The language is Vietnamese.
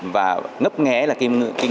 và ngấp nghé là cái ngưỡng là các quốc gia kém